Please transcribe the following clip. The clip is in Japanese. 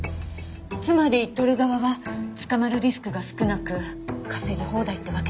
つまり撮る側は捕まるリスクが少なく稼ぎ放題ってわけです。